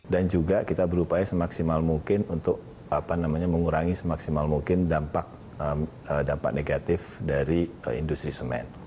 dan juga kita berupaya semaksimal mungkin untuk mengurangi semaksimal mungkin dampak negatif dari industri semen